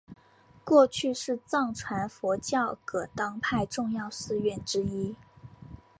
过去是藏传佛教噶当派重要寺院之一。